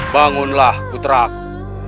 bangunlah putra aku